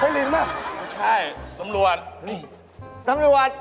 เห้ยลิงมาไม่ใช่ตำรวจตำรวจตำรวจ